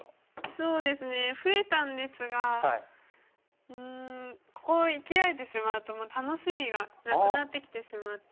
そうですね増えたんですがうんここ生きられてしまうともう楽しみがなくなってきてしまって。